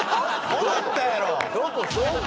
戻ったやろ！